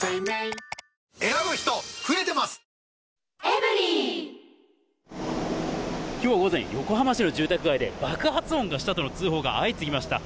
それ、きょう午前、横浜市の住宅街で、爆発音がしたとの通報が相次ぎました。